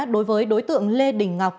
đối với đối tượng lê đình ngọc